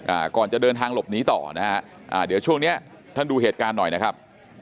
อ่าก่อนจะเดินทางหลบหนีต่อนะฮะอ่าเดี๋ยวช่วงเนี้ยท่านดูเหตุการณ์หน่อยนะครับ